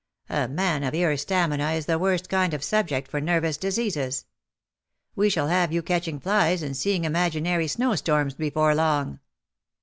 A man of your stamina is the worst kind of subject for nervous diseases. We shall have you catching flies, and seeing imaginary snow storms before long."